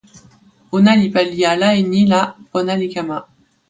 ona li pali ala e ni la pona li kama.